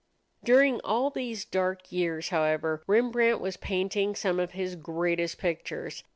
During all these dark years, however, Rembrandt was painting some of his greatest pictures.